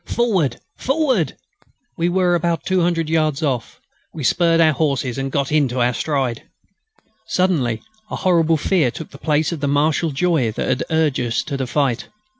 Forward! Forward! We were about 200 yards off. We spurred our horses and got into our stride. Suddenly a horrible fear took the place of the martial joy that had urged us to the fight.